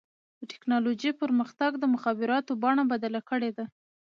د ټکنالوجۍ پرمختګ د مخابراتو بڼه بدله کړې ده.